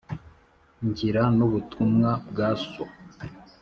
ngira n'ubutumwa bwa so,